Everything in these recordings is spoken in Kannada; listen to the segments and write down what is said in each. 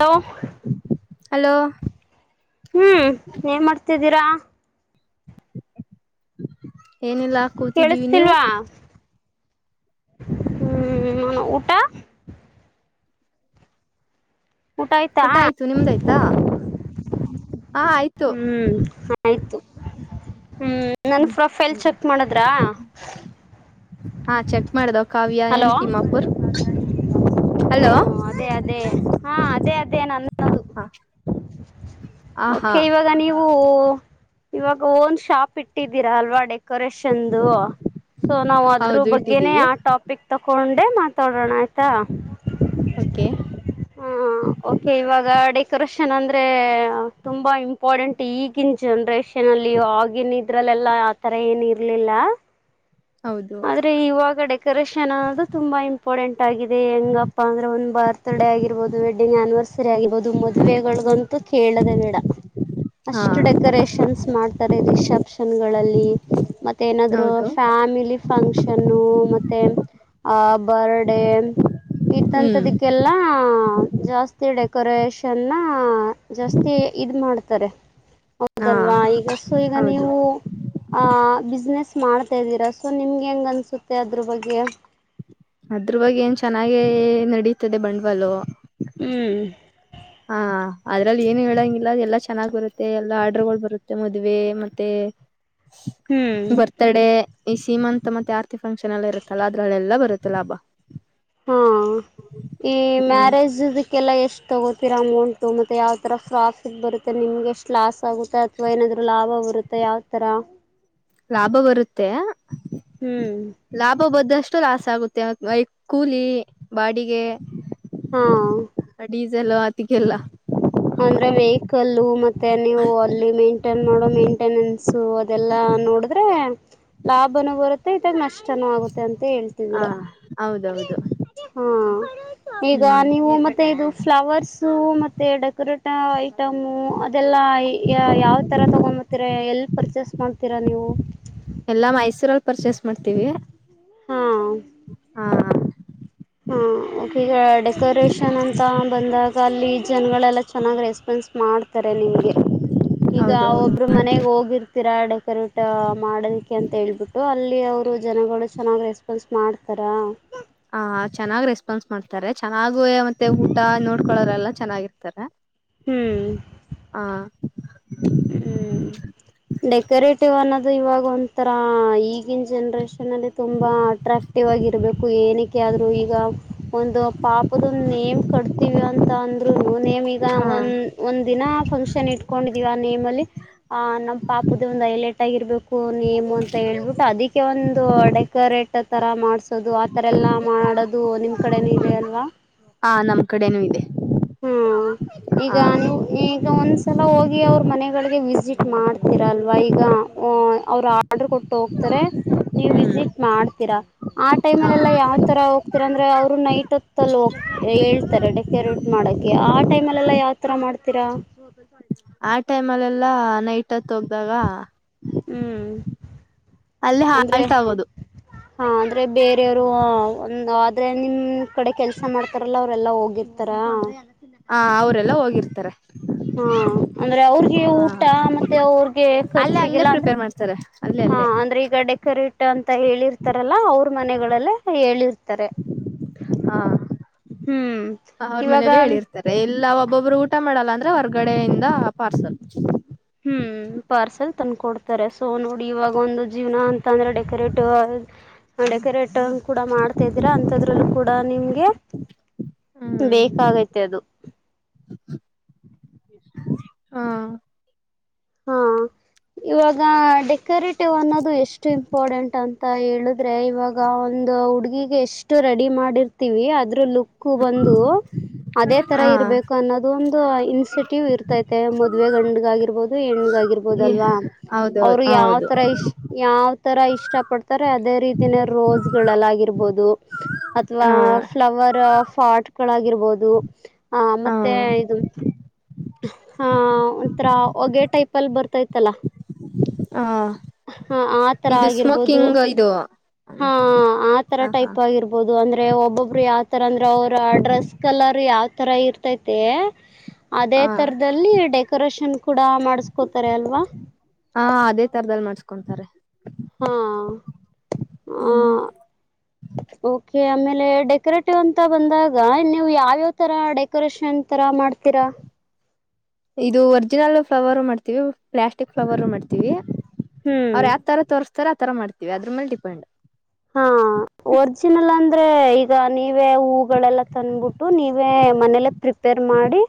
ಹಲೋ ಹಲೋ ಹೂ ಏನ್ ಮಾಡ್ತಿದ್ದೀರಾ ಏನೆಲ್ಲಾ ಕೂತಿದ್ದೀವಿ ನೀವು ಹೂ ಮ ಊಟಾ ಊಟಾಯ್ತಾ ಊಟ ಆಯ್ತು ನಿಮ್ದಾಯ್ತಾ ಹಾ ಆಯ್ತು ಹೂ ಆಯ್ತು ಹೂ ನನ್ ಹ್ಮ್ ಪ್ರೊಫೈಲ್ ಹ್ಮ್ ಚೆಕ್ ಮಾಡಿದ್ರಾ ಹಾ ಚೆಕ್ ಮಾಡ್ದವ ಕಾವ್ಯ ಎನ್ ತಿಮ್ಮಾಪುರ್ ಹಲೋ ಅದೇ ಅದೇ ಹಾ ಅದೇ ಅದೇ ನನ್ನದುಕೆ ಹ ಆ ಹಾ ಓಕೆ ಇವಾಗ ನೀವು ಇವಾಗ ಒನ್ ಶಾಪ್ ಇಟ್ಟಿದ್ದೀರಾ ಅಲ್ವಾ ಡೆಕೋರೇಷನ್ದು ಸೊ ನಾವ್ ಅದ್ರ ಹೌದು ಬಗ್ಗೆನೆ ಇಟ್ಟಿದ್ದೀವಿ ಆ ಟಾಪಿಕ್ ತಕೊಂಡೆ ಮಾತಾಡೋಣ ಆಯ್ತಾ ಓಕೆ ಹಾ ಓಕೆ ಇವಾಗ ಡೆಕೋರೇಷನ್ ಅಂದ್ರೆ ತುಂಬಾ ಇಂಪಾರ್ಟೆಂಟ್ ಈಗಿನ ಜನ್ರೇಷನ್ ಅಲ್ಲಿ ಆಗಿನ ಇದ್ರಲ್ಲೆಲ್ಲಾ ಆತರ ಏನು ಇರಲಿಲ್ಲ ಸೂ ಆದ್ರೆ ಇವಾಗಡೆ ಡೆಕೋರೇಷನ್ ಅದು ತುಂಬಾ ಇಂಪಾರ್ಟೆಂಟ್ ಆಗಿದೆ ಹೆಂಗಪ್ಪಾ ಅಂದ್ರೆ ಒಂದು ಬರ್ತ್ಡೇ ಆಗಿರ್ಬಹದು ವೆಡ್ಡಿಂಗ್ ಅ ಸರಿ ಆಗಿರ್ಬಹದು ಮದ್ವೆಗಳಗಂತೂ ಕೇಳದೆ ಬೇಡ ಹಾ ಅಷ್ಟು ಡೆಕೋರೇಷನ್ಸ್ ಮಾಡ್ತಾರೆ ರಿಸೆಪ್ಷನ್ ಗಳಲ್ಲಿ ಮತ್ತ ಏನಾದ್ರು ಹೌದು ಫ್ಯಾಮಿಲಿ ಫಂಕ್ಷನ್ನು ಮತ್ತೆ ಆ ಬರ್ಡೇ ಹ್ಮ್ ಇತ್ತಂತದಿಕ್ಕೆಲ್ಲಾ ಹ ಜಾಸ್ತಿ ಡೆಕೋರೇಷನ್ನ ಜಾಸ್ತಿ ಇ ಮಾಡ್ತಾರೆ ಹಾ ಹೌದಲ್ವಾ ಈಗ ಸೊ ಈಗ ಹೌದು ನೀವು ಆಹ ಬಿಸ್ನೆಸ್ ಮಾಡ್ತಾ ಇದ್ದೀರಾ ಸೊ ನಿಮ್ಗೆ ಹೆಂಗ ಅನಿಸುತ್ತೆ ಅದ್ರ ಬಗ್ಗೆ ಅದ್ರ ಬಗ್ಗೆ ಏನ್ ಚೆನ್ನಾಗೆ ನಡೀತದೆ ಬಂಡ್ವಾಲು ಹ್ಮ್ ಹಾ ಅದ್ರಲ್ಲಿ ಏನು ಹೇಳಂಗಿಲ್ಲ ಎಲ್ಲಾ ಚೆನ್ನಾಗ್ ಬರುತ್ತೆ ಎಲ್ಲ ಆರ್ಡ್ರಗಳು ಬರುತ್ತೆ ಮದ್ವೆ ಮತ್ತೆ ಹ್ಞೂ ಬರ್ತಡ ಈ ಸೀಮಂತ್ ಮತ್ತೆ ಆರ್ತಿ ಫಂಕ್ಷನ್ ಎಲ್ಲ ಇರುತ್ತಲ್ಲ ಅದ್ರಲ್ಲೆಲ್ಲಾ ಬರುತ್ತೆ ಲಾಭ ಹಾ ಈ ಹ್ಮ್ ಮ್ಯಾರೇಜದಕ್ಕೆಲ್ಲ ಎಷ್ಟು ತಗೋತಿರ ಅಮೌಂಟು ಮತ್ತೆ ಯಾವ ತರ ಪ್ರಾಫಿಟ್ ಬರುತ್ತೆ ನಿಮ್ಗೆ ಎಷ್ಟು ಲಾಸ್ ಆಗುತ್ತೆ ಅಥವಾ ಏನಾದ್ಲಾಭ ಅವೃತ ಯಾವಥರ ಲಾಭ ಬರುತ್ತೆ ಹ್ಮ್ ಲಾಭ ಬಂದಷ್ಟ ಎಷ್ಟು ಲಾಸ್ ಆಗುತ್ತೆ ಕೂಲಿ ಬಾಡಿಗೆ ಹಾ ಜಲವಾತಿಗೆಲ್ಲ ಅಂದ್ರೆ ವೆಹಿಕಲ್ಲ ಮತ್ತೆ ನೀವು ಅಲ್ಲಿ ಮೇಂಟೇನ್ ಮಾಡೋ ಮೇಂಟೆನೆನ್ಸ್ ಹಸು ಅದೆಲ್ಲಾ ನೋಡಿದ್ರೆ ಲಾಭನು ಬರುತ್ತೆ ಇದಾಗ ನಷ್ಟ ಚೆನ್ನಾಗುತ್ತೆ ಅಂತ ಹ ಹೇಳ್ತಿದ್ರ ಹೌದೌದು ಹಾ ಈಗ ಹ್ಮ್ ನೀವು ಮತ್ತೆ ಇದು ಫ್ಲವರ್ಸ್ ಮತ್ತೆ ಪ ಐಟಮ ಅದೆಲ್ಲಾ ಯಾವ್ ತರ ತಗೊಂಡಂಬತೀರ ಎಲ್ಲಿ ಪರ್ಚೇಸ್ ಮಾಡ್ತೀರ ಶೂ ಪರ್ಚೇಸ್ ಮಾಡ್ತೀವಿ ಹಾ ಹಾ ಹಾಗ ಡೆಕೋರೇಷನ್ ಅಂತ ಬಂದಾಗ ಅಲ್ಲಿ ಜನ್ಗಳೆಲ್ಲ ಚೆನ್ನಾಗ್ ರೆಸ್ಪಾನ್ಸ್ ಮಾಡ್ತಾರೆ ನಿಮಗೆ ಈಗ ಅವ ಹೌದೌದು ಒಬ್ರು ಮನೆಗ್ ಹೋಗಿರ್ತೀರಾ ಡೆಕೋರೇಟ್ ಮಾಡೋದಕ್ಕೆ ಅಂತ ಹೇಳ್ಬಿಟ್ಟು ಅಲ್ಲಿ ಇಲ್ಲಿ ಅವರು ಜನಗಳು ಚೆನ್ನಾಗಿ ರೆಸ್ಪಾನ್ಸ್ ಮಾಡ್ತಾರಾ. ಹ ಚೆನ್ನಾಗ್ ರೆಸ್ಪಾನ್ಸ್ ಮಾಡ್ತಾರೆ ಚೆನ್ನಾಗುವ ಮತ್ತೆ ಊಟ ನೋಡ್ಕೊಳೋರೆ ಎಲ್ಲ ಚೆನ್ನಾಗಿರ್ತಾರೆ. ಹ್ಮ್ ಹಾ. ಹ್ಮ್ ಡೆಕೋರೇಟಿವ್ ಅನ್ನೋದು ಇವಾಗ ಒಂಥರಾ ಈಗ ಈಗಿನ ಜನ್ರೇಷನ್ ಅಲ್ಲಿ ತುಂಬಾ ಅಟ್ರಾಕ್ಟಿವ್ ಆಗಿರಬೇಕು ಏನಕ್ಕೆ ಆದ್ರೂ ಈಗ ಒಂದು ಪಾಪದೊ ನೇಮ್ ಕಟ್ತೀವಿ ಅಂತ ಅಂದ್ರು ನೇಮ್ ಈಗ ಹ ಒಂದ ಒಂದ ದಿನ ಫಂಕ್ಷನ್ ಇಟ್ ಕೊಂಡಿದಿವವಿ ಆ ನೇಮ್ ಅಲ್ಲಿ ಆ ನಮ್ಮ ಪಾಪದ ಒಂದು ಐಲರ್ಟ್ ಆಗಿರ್ಬೇಕು ಫನ್ಮು ಅಂತ ಹೇಳ್ಬಿಟ್ಟು ಅದಕ್ಕೆ ಒಂದು ಡೆಕೋರೇಟ್ ತರ ಮಾಡ್ಸೋದು ಆತರ ಎಲ್ಲಾ ಮಾಡಾಡೋದು ನಿಮ್ ಕಡೆನ ಇದೆ ಅಲ್ವಾ. ಹಾ ನಮ್ ಕಡೆೇನೂ ಇದೆ. ಹಾ ಈಗ ಹ ನೀವು ಈಗ ಒಂದ್ಸಲ ಹೋಗಿ ಅವ್ರ ಮನೆಗಳು ವಿಸಿಟ್ ಮಾಡ್ತೀರ ಅಲ್ವಾ ಈಗ ಅವ್ರು ಆರ್ಡರ್ ಕೊಟ್ಟು ಹೋಗ್ತಾರೆ. ನೀವ ಹ್ಮ್ ವಿಸಿಟ್ ಮಾಡ್ತೀರಾ ಆ ಹ ಟೈಮಲ್ಲ ಎಲ್ಲಾ ಯಾವ ತರ ಹೋಗ್ತೀರ ಅಂದ್ರೆ ಅವ್ರು ನೈಟ್ ಹತ್ತಲ್ಲಿ ಹೋಗ್ತ ಹೇಳ್ತಾರೆ ಡೆಕೋರೇಟ್ ಮಾಡಕ ಆ ಟೈಮಲ್ಲ ಎಲ್ಲ ಯಾವತರ ಮಾಡ್ತೀರಾ. ಆ ಟೈಮ್ ಅಲ್ಲ ಎಲ್ಲಾ ನೈಟ್ ಹತ್ ಒಬ್ದಾಗ. ಹ್ಮ್. ಅಲ್ಲಿ ಹಾಲ್ಟ್ ಆಗೋದು. ಹ ಅಂದ್ರೆ ಬೇರೆಯವರು ಒ ಆದ್ರೆ ನಿಮ್ ಕಡೆ ಕೆಲ್ಸ ಮಾಡ್ತಾರಲ್ಲ ಅವ್ರಲ್ಲಾ ಹೋಗಿರ್ತಾರ. ಹಾ. ಹ ಅವರೆಲ್ಲ ಹೋಗಿರ್ತಾರೆ. ಹಾ ಅಂದ್ರೆ ಅವ್ರಿಗೆ ಹ ಊಟ ಮತ್ತೆ ಅವ್ರಗೆ ಅಲ್ಲೇ ಅಲ್ಲೇ ಖರ್ಚಿಗೆಲ್ಲ ಅಂದ್ರೆ. ಪ್ರಿಪೇರ್ ಮಾಡ್ತಾರೆ ಅಲ್ಲೇ ಹಾ ಅಲ್ಲೇ ಅಂದ್ರೆ ಈಗ ಡೆಕೋರೇಟ್ ಅಂತ ಹೇಳಿರ್ತಾರಲ್ಲ ಅವ್ರ ಮನೆಗಳಲ್ಲ ಹೇಳಿರ್ತ. ಾರೆ. ಹಾ [unintelligible] ಅವ್ರ ಮನೇಲ್ಲೇ ಹೇಳಿರ್ತಾರೆ ಎಲ್ಲ ಒಬ್ಬೊಬ್ರು ಊಟ ಮಾಡಲ್ಲ ಅಂದ್ರ ಹೊರ್ಗಡೆಯಿಂದ ಪಾರ್ಸಲ್. ಹ್ಮ್ ಪಾರ್ಸಲ್ ತಂದಕ ಕೊಡ್ತಾರೆ ಸೊ ನೋಡಿ ಇವಾಗ ಒಂದು ಜೀವನ ಅಂತ ಅಂದ್ರೆ ಊಡೆಕೋರೇಟ್ ಡೆಕೋರೇಟ್ ಕೂಡ ಮಾಡ್ತಾ ಇದಿರ ಅಂಥದ್ರಲ್ಲೂ ಕೂಡ ನಿಮಗೆ ಹ್ಮ್ ಬೇಕಾಗೈತೆ ಅದು. [inaudible] ಹಾ ಹಾ ಇವಾಗ ಡೆಕೋರೇಟಿವ್ ಅನ್ನೋದು ಎಷ್ಟು ಇಂಪಾರ್ಟೆಂಟ್ ಅಂತ ತ್ತ ಹೇಳುದ್ರೆ ಇವಾಗ ಒಂದು ಹುಡ್ಗಿಗೆ ಎಷ್ಟು ರೆಡಿ ಮಾಡಿರ್ತಿವಿ ಅದ್ರ ಲುಕ್ ಕ್ಕು ಬಂದು. ಅದೇ ತರ ಹಾ ಇರ್ಬೇಕು ಅನ್ನೋದು ಒಂದು ಇನ್ಸೆಂಟಿವ್ ಇರ್ತೈತೆ ಮದ್ವೆೆ ಗಂಡ್ಗಾಗಿರ್ಬೋದು ಹೆಣ್ಣಗಾಗಿ ಆಬೋದಲ್ವಾ ಹೌದೌದು ಅವ್ರು ಯಾವ ಹೌದು ತರ ಯಾವ ಯಾವ ತರ ಇಷ್ಟ ಪಡ್ತಾರೆ ಅದೇ ರೀತಿನ ರೋಸ್ಗಳೆಲ್ಲ ಆಗಿರ್ಬೋದು ಅಥವಾ ಹಾ ಫ್ಲವರ್ ಪಫಾಟ್ಗಳಾಗಿರ್ಬೋದು ಆ ಹ ಮತ್ತೆ ಇದು ಹಾ ಒಂಥರ ಹೊಗೆ ಟೈಪ್ ಅಲ್ಲಿ ಬರ್ತೈತ್ತಲ್ಲ. ಹಾ ತರ ಇದು ಆಗಿರ್ಬೋದು ಸ್ಮೋಕಿಂಗ್ ಇದು ಹಾ ಹ ಆತರ ಹಾ ಟೈಪ್ ಆಗಿರ್ಬೋದು ಅಂದ್ರೆ ಒಬ್ಬೊಬ್ರು ಯಾವತರ ಅಂದ್ರೆ ಅವ್ರ ಆ ಡ್ರೆಸ್ ಕ ಕಲರ್ ಯಾವ್ ತರ ಇರ್ತೈತೆ ಅದೇ ಹ ತರದಲ್ಲಿ ಡೆಕೋರೇಷನ್ ಕೂಡ ಮಾಡ ಹಾ ಅದೇ ತರದದಲ್ಲಿ ಮಾಡಸ್ಕೊಂತಾರೆ. ಹಾ ಹ್ಮ್ ಓಕೆ ಆಮೇಲೆ ಡೆಕೋರೇಟಿವ್ ಅಂತ ಬಂದಾಗ ನೀವು ಯಾವ್ಯಾವ್ ತರ ಡೆಕೋರೇಷನ್ ತರ ಮಾಡ್ತೀರಾ ಇದು ಒರ್ಜಿನಲ್. ಫ್ಲವರು ಮಾಡ್ತೀವಿ ಪ್ಲಾಸ್ಟಿಕ್ ಫ್ಲವರು ಮಾಡ್ತೀವಿ ಹ್ಮ್ ಅವ್ರು ಯಾವ್ ತರ ತೋರಿಸಸ್ತಾರೆ ತರ ಮಾಡ್ತೀವಿ ಅದ್ರ ಮೇಲೆ ಡಿಪೆಂಡ್. ಹಾ ಒರ್ಜಿನಲ್ ಅಂದ್ರೆ ಈಗ ನೀ ನೀ ಹೂಗಳೆಲ್ಲ ತಂದಬಿಟ್ಟು ನೀವೇ ಮನೇಲೆ ಪ್ರಿಪೇರ್ ಮಾಡಿ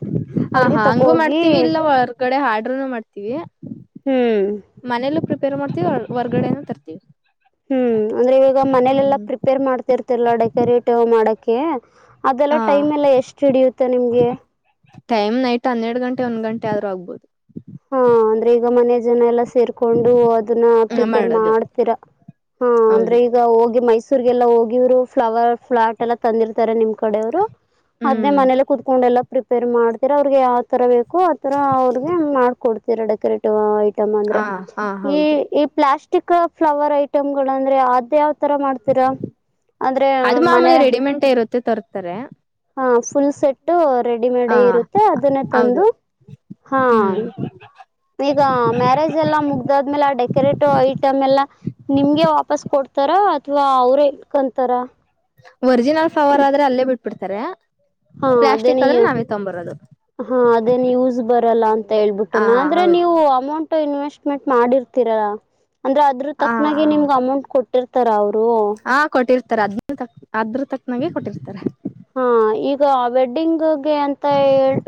ಹ ಅವ್ರಿಗೆ ಹಾ ತಕೋ ಹಂಗು ಮಾಡ್ತೀವಿ ಹೋಗಿ ಇಲ್ಲ ಹೊರ್ಗಡೆ ಹಾಡರುೂನು ಮಾಡ್ತೀವಿ ಹ್ಮ್ ಮ ಪೇರ್ ಮಾಡ್ತೀವಿ ಹೊರ್ಗಡೆನ ತರ್ತಿವಿ. ಹ್ಮ್ ಅಂದ್ರೆ ಈವಾಗ ಮನೇಲೆಲ್ಲಾ ಪ್ರಿಪೇರ್ ಮಾಡ್ತಿರ್ತಿಲ್ಲಾ ಡೆಕೋರೇಟಿವ್ ಮಾಡಕ ಅದೆಲ್ಲ ಹಾ ಟೈಮ್ ಎಲ್ಲ ಎಷ್ಟು ಹಿಡಿಯುತ್ತೆ ನಿಮ್ಗೆ. ಟೈಮ್ ನೈಟ್ ಹನ್ನೆರಡು ಗಂಟೆ ಒಂದ್ ಗಂಟೆ ಆದ್ರೂ ಆಗ್ಬಹದು. ಹಾ ಅಂದ್ರೆ ಈಗ ಮನೆಯ ಜನ ಎಲ್ಲಾ ಸೇರ್ಕೊಂಡು ಅದನ್ನ ಪ್ರಿಪೇರ್ ಮಾಡೋದು ಮಾಡ್ತೀರ ಹ ಅಂದ್ರೆ ಹೌದು ಈಗ ಹೋಗಿ ಮೈಸೂ ಮೈಸೂರ್ ಹೋಗಿ ಹೋಗಿವ ಫ್ಲವರ್ ಫ್ಟ್ ಎಲ್ಲ ತಂದಿರ್ತಾರೆ ನಿಮ್ ಕಡೆೆಯವ್ರು ಅದ್ ಹ್ಮ್ ಮೇಲೆ ಕುೂತ್ಕೊಂಡ ಎಲ್ಲಾ ಪ್ರಿಪೇರ್ ಮಾಡ್ತರ ಅವ್ರಿಗೆ ಯಾವ್ ತರ ಬ ಆಥರ ಅವ್ರಿಗೆ ಹಂಗ್ ಮಾಡ್ಕೊಡ್ತೀರಾ ಡೆಕೋರೇಟಿವ್ ಐ ಅಂದ್ರೆ ಹ ಹಾ ಈ ಹೌದು ಈ ಪ್ಲಾಸ್ಟಿಕ್ ಫ್ಲವರ್ ಐಟಮ್ ಗಳು ಅಂದ್ರೆ ಆದ ಯಾವ ತರ ಮಾಡ್ತೀರಾ ಅಂದ್ರೆ ಮನೆ. ಮೆ ತರ್ತಾರೆ. ಹಾ ಫುಲ್ ಸೆಟ್ಟು ಹ ರೆಡಿಮೇಡ್ ಇರುತ್ತೆ ಅದನ್ನೇ ಹೌದು ತಂದು. ಹಾ ಹ್ಮ್. ಈಗ ಮ್ಯಾರೇಜ್ ಎಲ್ಲಾ ಮುಗ್ದಾದ್ಮೇಲೆ ಆ ಡೆಕೋರೇಟಿವ್ ಐಟಮ್ ಎಲ್ಲಾ ನಿಮ್ಗೆ ವಾಪಸ್ ಕೊಡ್ತ ತಾರ ಅಥವಾ ಅವ್ರ ಇಕಂತಾರ. ಒರಿಜಿನಲ್ ಫವರ್ ಆದ್ರೆ ಅಲ್ಲೇ ಬಿಟ್ಬಿಡ್ತಾರೆ ಹಾ ಅದೇನ ಪ್ಲಾಸ್ಟಿಕ್ ಆದ್ರೆ ನಾವೇ ತೊಂಬರೋದು. ಹಾ ಅದೇ ನೀ ಯೂಸ್ ಬರಲ್ಲ ಅಂತ ಹೇಳ್ಬಿಟ್ಟ ಹ ನ ಅಂದ್ರೆ ಹೌದು ನೀವು ಅಮೌಂಟ್ ಇನ್ವೆಸ್ಟ್ಮೆಂಟ್ ಮಾಡಿರ್ತೀರಲ್ಲಾ ಅಂದ್ರೆ ಅದ್ರ ಹ ತಕ್ಕನಾಗಿ ನಿಮ್ಗೆ ಅಮೌಂಟ್ ಕೊಟ್ಟಿರ್ತಾರ ಅವರು. ಹಾ ಕೊಟ್ಟಿರ್ತಾರೆ ಅದ್ ತ ಅದ್ಬ್ರ ತಕ್ನಾಗೆ ಕೊಟ್ಟಿರ್ತಾರೆ. ಹಾ ಈಗ ವೆಡ್ಡಿಂಗ್. ಅಂತ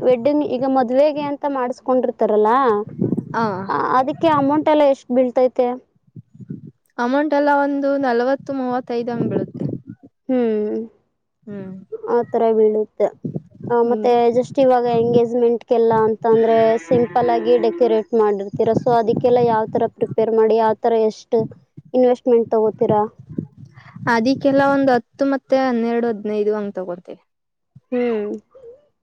ವೆಡ್ಡಿಂಗ್ ಈಗ ಮದ್ವೆೆಗೆ ಅಂತ ಮಾಡಸ್ಕೊಂಡಿರ್ತಾರಲ್ಲ. ಹ ಅದಕ್ಕೆ ಅಮೌಂಟ್ ಎಲ್ಲಾ ಎಷ್ಟು ಬೀಳ್ತೈತಿ. ಅಮೌಂಟ್ ಎಲ್ಲ ಒಂದು ನಲ್ವತ್ತು ಮೂವತ್ತೈದ್ ಹಂಗ್ ಬಿಡುತ್ತೆ. ಹ್ಮ್. ಆತರ ಬೀಳುತ್ತೆ ಹ್ಮ್ ಮತ್ತೆ ಜಸ್ಟ್ ಇವಾಗ ಎಂಗೇಜ್ಮೆಂಟ್. ಎಲ್ಲಾ ಅಂತಂದ್ರೆ ಸಿಂಪಲ್ ಆಗಿ ಡೆಕೋರೇಟ್ ಮಾಡಿರ್ತ ಸೊ ಅದಕ್ಕೆಲ್ಲ ಯಾವ್ತರ ಪ್ರಿಪೇರ್ ಮಾಡಿ ಯಾವ್ತರ ಎಷ್ಟ ಇನ್ವೆಸ್ಟ್ಮೆಂಟ್ ತಗೋತೀರಾ. ಅದಿಕ್ಕೆಲ್ಲ ಒಂದು ಹತ್ತು ಮತ್ತೆ ಹನ್ನೆರಡು ಹದನೈದು ಹಂಗ್ ತಗೊಡ್ತೇವಿ. ಹ್ಮ್.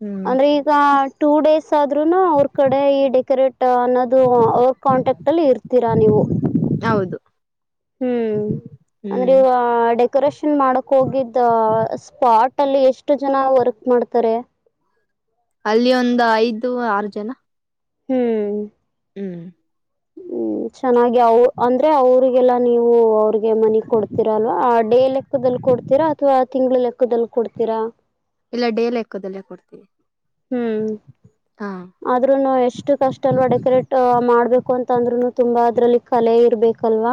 ಹ್ಮ್. ಅಂದ್ರೆ ಈಗ ಟೂ ಡೇಸ್ ಆದ್ನು ಅವ್ರ ಕಡೆ ಈ ಡೆಕೋರೇಟ್ ಅನ್ನೋದು ಅವ್ರ ಕಾಂಟೆಕ್ಟ್ ಮಟ್ಟಲ್ಲಿ ಇರ್ತೀರಾ ನೀವು. ಹೌದು. ಹ್ಮ್ ಅಂದ್ರೆ ಹ್ಮ್ ಇವ ಡೆಕೋರೇಷನ್ ಮಾಡಕ್ ಹೋಗಿದ್ದ ಸ್ಪಾಟ್ ಲ್ಲಿ ಎಷ್ಟು ಜನ ವರ್ಕ್ ಮಾಡ್ತಾರೆ. ಅಲ್ಲಿ ಒಂದು ಐದು ಆರು ಜನ. ಹ್ಮ್. ಹ್ಮ್. ಹ್ಮ್ ಚೆನ್ನಾಗಿ ಅವ ಅಂದ್ರೆ ಅವ್ರರಿಗೆಲ್ಲಾ ನೀವು ಅವ ಅವಿಗೆ ಮನಿ ಕೊಡ್ತೀರ ಅಲ್ವಾ ಆ ಡೇ ಲೆಕ್ಕದಲ್ಲಿ ಕೊಡ್ತೀರಾ ಅಥ್ವಾ ತಿಂಗಳ ಲೆಕ್ಕದಲ್ಲಿ ಕೊಡ್ತೀರಾ. ಇಲ್ಲ ಡೇಲ್ಲೆಕ್ಕೋದಲ್ಲೇ ಕೊಡ್ತೀವಿ. ಹ್ಮ್. ಹಾ ಆದ್ನು ಎಷ್ಟು ಕಷ್ಟ ಅಲ್ವಾ ಡೆಕೋರೇಟ್ ಮಾಡ್ಬೇಕು ಅಂತ ಅಂದ್ರುನು ತುಂಬಾ ಅದ್ರಲ್ಲಿ ಕಲೆ ಇರ್ಬೇಕು ಲ್ವಾ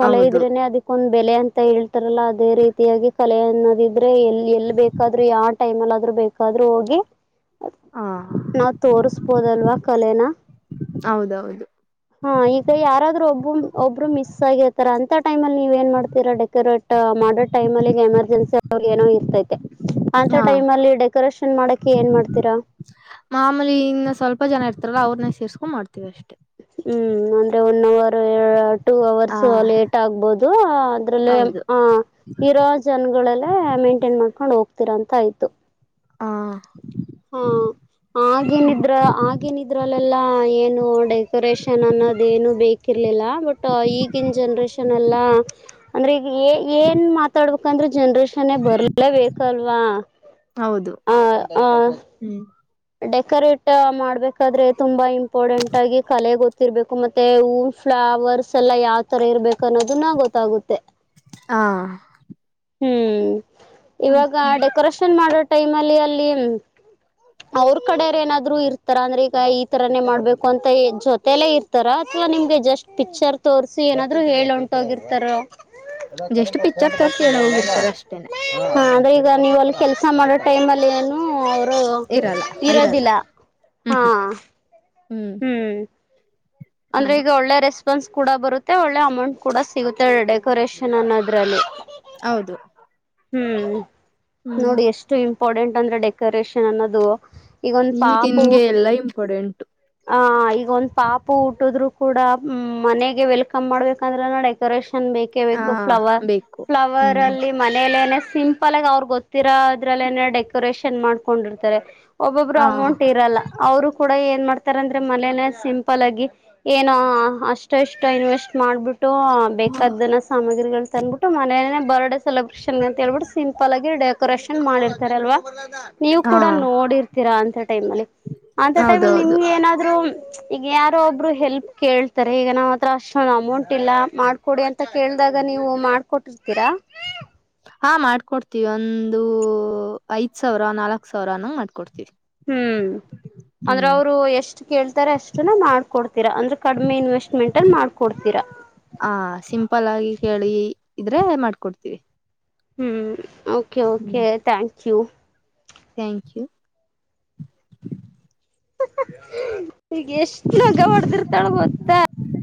ಕಲೆ ಹೌದು ಇದ್ರೆನೆ ಅದಕ್ಕೊಂದು ಬೆಲೆ ಅಂತ ಹೇಳ್ತಾರಲ್ಲ ಅದೇ ರೀತಿಯಾಗಿ ಕಲೆ ಅನ್ನೋದಿದ್ರೆ ಎಲ್ಲಿ ಎಲ್ಲಿ ಬೇಕಾದ್ರೂ ಯಾವ ಟೈಮಲ್ಲಿ ಆದ್ರೂ ಬೇಕಾದ್ರೂ ಹೋಗಿ ಹಾ ನಾವ್ ತೋರ್ರಿಸಬೋದಲ್ವಾ ಕಲೆನ. ಹೌದೌದು. ಹಾ ಈಗ ಯಾರಾದ್ರೂ ಒಬ್ಬರು ಒಬ್ರು ಮಿಸ್ ಆಗಿರ್ತಾರ ಅಂತ ಟೈಮ ಅಲ್ಲಿ ನೀವ ನ್ ಮಾಡ್ತೀರಾ ಡೆಕೋರೇಟ್ ಮಾಡೋ ಟೈಮ ಅಲ್ಲಿಗ ಎಮರ್ಜೆನ್ಸಿ ಏನೋ ಇರ್ತೈತೆ ಅಂತ ಹಾ ಟೈಮ್ ಅಲ್ಲಿ ಡೆಕೋರೇಷನ್ ಮಾಡಕ ಏನ್ ಮಾಡ್ತೀರಾ. ಮಾಮೂಲಿ ಇಂದ ಸ್ವಲ್ಪ ಜನ ಇರ್ತಾರಲ್ಲ ಅವ್ರನ್ನ ಸೇರ್ಸ್ಕೊಂಡ್ ಮಾಡ್ತೀವಿ ಅಷ್ಟೇ. ಹ್ಮ್ ಅಂದ್ರೆ ಒಂದುೂವರು ಟೂ ಹ ಅವರ್ಸ್ ಲೇಟ್ ಆಗ್ಬಹುದು ಅದ್ರಲ್ಲಿ ಹೌದು ಆ ಇರೋ ಜನಗಳೆಲ್ಲ ಮೈಂಟೈನ್ ಮಾಡ್ಕೊಂಡ್ ಹೋಗ್ತಿರಂತಯ್ತು. ಹ. ಎಲ್ಲ ಏನು ಡೆಕೋರೇಷನ್ ಅನ್ನೋದ ಏನು ಬೇಕಿರ್ಲಿಲ್ಲ. ಬಟ್ಟ ಈಗನ್ ಜನ್ರೇಷನ್ ಎಲ್ಲಾ ಅಂದ್ರೆ ಈಗ ಏನ್ ಮಾತಾಡ್ಬೇಕಂದ್ರೆ ಜನ್ರೇಷನ್ ಬರ್ಲೇಬೇಕಲ್ವಾ. ಹೌದು ಆ ಆ ಹ್ಮ್. ಡೆಕೋರೇಟ್ ಮಾಡ್ಬೇಕಾದ್ರೆ ತುಂಬಾ ಇಂಪಾರ್ಟೆಂಟ್ ಆಗಿ ಕಲೆ ಗೊತ್ತ ಇರ್ಬೇಕು ಮತ್ತೆ ಫ್ಲವರ್ಸ್ ಎಲ್ಲ ಯಾವ್ ತರ ಇರ್ಬೇಕು ಅನ್ನೋದು ನ ಗೊತ್ತಾಗುತ್ತೆ. ಹಾ. ಹೂ ಹ್ಮ್ ಇವಾಗ ಹ್ಮ್ ಡೆಕೋರೇಷನ್ ಮಾಡೋ ಟೈಮ್ ಅಲ್ಲಿ ಅಲ್ಲಿ [unintelligible] ಅವರ ಕಡೇರ ಏನಾದ್ರು ಇರ್ತಾರ ಅಂದ್ರೆ ಈಗ ಈ ತರಾನೇ ಮಾಡ್ಬೇಕು ಅಂತ ಜೊತೇಲ್ಲೇ ಇರ್ತಾರ ಅಥವಾ ನಿಮ್ [unintelligible] ಹಿಂದೆ ಜಸ್ಟ್ ಪಿಕ್ಚರ್ ತೋರ್ಸಿ ಏನಾದ್ರು ಹೇಳ ಹೊಂಟೋಗಿರ್ತಾರೋ [unintelligible] [unintelligible] ಜಸ್ಟ್ ಪಿಕ್ಚರ್ ತೋರ್ಸಿ ಹೇಳ ಹೋಗಿರ್ತಾರ ಅಷ್ಟೇನೆ ಅವ್ರ ಈಗ ನೀವು ಅಲ್ಲಿ ಕೆಲ್ಸ ಮಾಡೋ ಟೈಮ್ಲ್ಲಿ ಏನು ಅವರು ಇರಲ್ಲ ಇರಲ್ಲ ಇರೋದಿಲ್ಲ ಹ್ಮ್ ಹಾ ಹ್ಮ್. ಅಂದ್ರೆ ಹ್ಮ್ ಈಗ ಒಳ್ಳೆ ರೆಸಪ ಪನ್ಸ್ ಕೂಡ ಬರುತ್ತೆ ಒಳ್ಳೆ ಅಮೌಂಟ್ ಕೂಡ ಸಿಗುತ್ತೆ ಡೆಕೋರೇಷನ್ ಅನ್ನೋದ್ರಲ್ಲಿ. ಹೌದು. ಹ್ಮ್ ಹ್ಮ್ ನೋಡಿ ಎಷ್ಟು ಇಂಪಾರ್ಟೆಂಟ್ ಅಂದ್ರೆ ಡೆಕೋರೇಷನ್ ಅನ್ನೋದು. ಈಗೊಂದ್ ಪಾಪ ಈಗಿನ್ಗೆ ಊಟ್ ಎಲ್ಲಾ ಇಂಪಾರ್ಟೆಂಟ್ ಆ ಈಗೊಂದು ಪಾಪ ಪ್ಪು ಊಟ್ಟದ್ರು ಕೂಡ ಹ್ ಮನೆಗೆ ವೆಲ್ಕಮ್ ಮಾಡ್ಬೇಕಂದ್ರೆ ಡೆಕೋರೇಷನ್ ನಂಗ್ ಬೇಕೇ ಹಾ ಬೇಕು ಫ್ಲವರ್ ಬೇಕು ಫ್ಲವರ್ ಹ್ಮ್ ಅಲ್ಲಿ ಮನೇಲೆನೆ, [unintelligible] ಸಿಂಪಲ್ ಆಗಿ ಅವ್ರಗ್ ಗೊತ್ತಿರೋ ಅದ್ರಲ್ಲ ನ ಡೆಕೋರೇಷನ್ ಮಾಡ್ಕೊಂಡಿರ್ತಾರೆ. [unintelligible] ಒಬ್ಬೊಬ್ರು ಹ ಅಮೌಂಟ್ ಇರಲ್ಲ ಅವರು ಕೂಡ ಏನ್ ಮಾಡ್ತಾರೆ ಅಂದ್ರೆ ಮನೆ ನೆ ಸಿ [unintelligible] ಸಿಂಪಲ್ ಆಗಿ ಏನೋ ಅಷ್ಟ ಇಷ್ಟು ಇನ್ವೆಸ್ಟ್ ಮಾಡ್ಬಿಟ್ಟು [unintelligible] ಟು ಬೇಕಾದನ ಸಾಮಗ್ರಿಗಳು ತಂದ್ಬಿಟ್ಟು ಮನೆಯಲ್ಲಿ ಬರ್ಡ್ [unintelligible] ಸೆಲೆಬ್ರೇಷನ್ ಅಂತ ಹೇಳ್ ಬಿಟ್ಟ ಸಿಂಪಲ್ ಆಗಿ ಡೇ [unintelligible] ಡೆಕೋರೇಶನ್ ಕ ಮಾಡಿರ್ತಾರ ಅಲ್ವಾ ನೀವು ಹಾ ಕೂಡ ನೋಡಿರ್ತೀರಾ ಅಂತ ಟೈಮ್ ಅಲ್ಲಿ. [unintelligible] ಅಂತ ಟೈಮಲ್ ಹೌದೌದು ನಿಮಗೆ ಏನಾದ್ರು ಈಗ ಯಾರೋ ಒಬ್ಬರು ಹೆಲ [unintelligible] ಕೇಳ್ತಾರೆ ಈಗ ನಮ್ಮ ಹತ್ರ ಅಷ್ಟತ್ತೊಂದ ಅಮೌಂಟ್ ಇಲ್ಲ ಮಾಡ್ಕೊಡಿ ಅಂತ ಕೇಳಿದಾಗ ನೀವು ಮಾಡ್ಕೊಟ್ಟಿರ್ತೀರಿ [unintelligible] ದಾ. [unintelligible] ಹಾ ಮಾಡ್ಕೊಡ್ತಿವಿ ಒಂದು ಐದ್ ಸಾವಿರ ನಾಲ್ಕ್ ಸಾವಿರನೂ ಮಾಡ್ಕೊಡ್ತೀವಿ. [unintelligible] ಹೂ [unintelligible] ಅಂದ್ರ ಹ್ಮ್ ಅವ್ರು ಎಷ್ಟು ಕೇಳ್ತಾರೆ ಅಷ್ಟುನ ಮಾಡ್ ಕೊಡತೀರಾ ಅಂದ್ರ ಕಡಿಮೆ ಇನ್ವೆಸ್ಟ್ಮೆಂಟ್ ಅಲ್ಲಿ ಮಾಡ್ಕೊಡ್ [unintelligible] ಸಿರಾ [unintelligible] ಆ ಸಿಂಪಲ್ ಆಗಿ ಕೇಳಿ ಇದ್ರೆ ಮಾಡ್ಕೊಡ್ತೀವಿ. [unintelligible] ಹೂ ಓಕೆ ಓಕೆ ಥ್ಯಾಂಕ್ಯು. [unintelligible] ಥ್ಯಾಂಕ್ಯು. [unintelligible] ಈಗ ಎಷ್ಟ ಮಗಾ ಹೊಡದತಾರ ಗೊತ್ತಾ? [unintelligible]